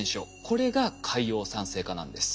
これが海洋酸性化なんです。